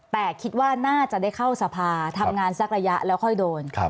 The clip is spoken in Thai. แต่คิดว่าน่าจะได้เข้าสภาทำงานสักระยะแล้วค่อยโดน